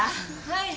はい。